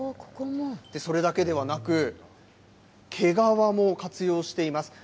それだけではなく、毛皮も活用しています。